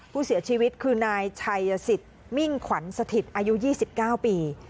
ผู้เสียชีวิตคือนายชัยสิทธิ์มิ่งขวัญสถิตอายุ๒๙ปี